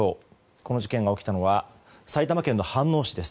この事件が起きたのは埼玉県の飯能市です。